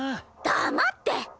黙って！